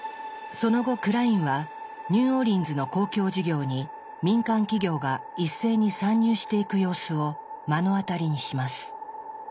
その後クラインはニューオーリンズの公共事業に民間企業が一斉に参入していく様子を目の当たりにします。